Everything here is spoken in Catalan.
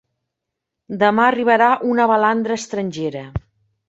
Demà arribarà una balandra estrangera.